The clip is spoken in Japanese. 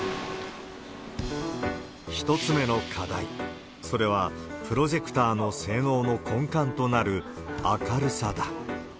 １つ目の課題、それはプロジェクターの性能の根幹となる、明るさだ。